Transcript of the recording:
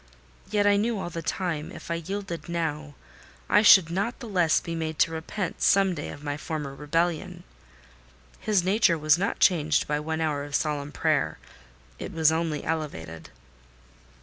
Yet I knew all the time, if I yielded now, I should not the less be made to repent, some day, of my former rebellion. His nature was not changed by one hour of solemn prayer: it was only elevated.